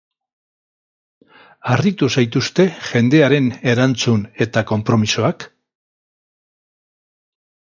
Harritu zaituzte jendearen erantzun eta konpromisoak?